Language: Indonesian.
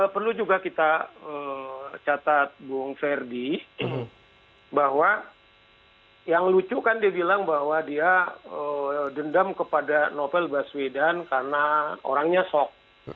perlu juga kita catat bung ferdi bahwa yang lucu kan dia bilang bahwa dia dendam kepada novel baswedan karena orangnya sok